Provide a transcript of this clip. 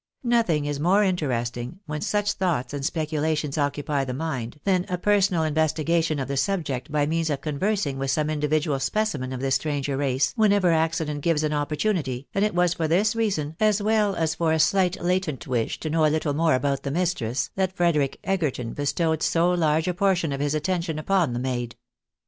Nothing is more interesting, when such thoughts and speculations occupy the mind, than a per sonal investigation of the subject by means of conversing with some individual specimen of this stranger race, whenever accident gives an opportunity, and it was for this reason, as well as for a slight latent wish to know a little more about the mistress, that Frederic Egerton bestowed so large a portion of his attention upon the maid.